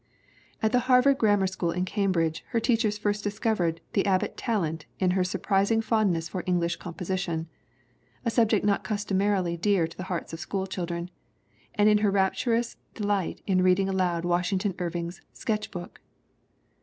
At the Harvard grammar school in Cambridge her teachers first discovered the Abbott talent in her sur prising fondness for English composition, a subject not customarily dear to the hearts of schoolchildren, and in her rapturous delight in reading aloud Wash ington Irving's Sketch Book.